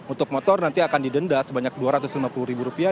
untuk motor nanti akan didenda sebanyak dua ratus lima puluh ribu rupiah